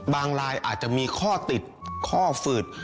ลายอาจจะมีข้อติดข้อฝืด